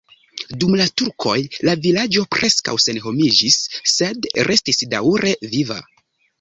Dum la turkoj la vilaĝo preskaŭ senhomiĝis, sed restis daŭre viva.